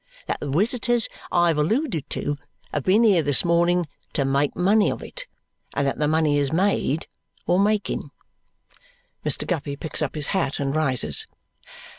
That the visitors I have alluded to have been here this morning to make money of it. And that the money is made, or making." Mr. Guppy picks up his hat and rises.